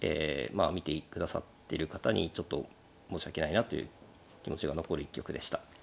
まあ見てくださってる方にちょっと申し訳ないなという気持ちが残る一局でした。